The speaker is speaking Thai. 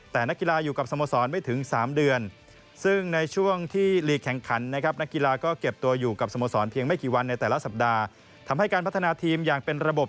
แต่ละสัปดาห์ทำให้การพัฒนาทีมอย่างเป็นระบบ